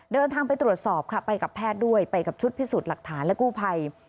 เดินทางไปตรวจสอบค่ะไปกับแพทย์ด้วยไปกับชุดพิสูจน์หลักฐานและกู้ภัย